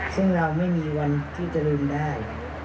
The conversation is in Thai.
ซึ่งเราไม่มีวันที่จะลืมได้